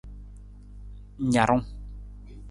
Narung.